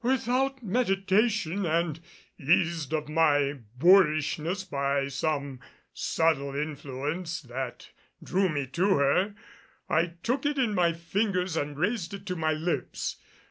Without meditation and eased of my boorishness by some subtle influence that drew me to her, I took it in my fingers and raised it to my lips.